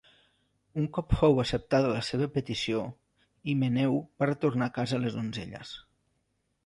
Un cop fou acceptada la seva petició, Himeneu va retornar a casa les donzelles.